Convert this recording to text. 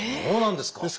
そうなんですか！